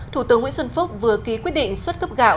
thủ tướng nguyễn xuân phúc vừa ký quyết định xuất cấp gạo